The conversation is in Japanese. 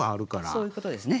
そういうことですね。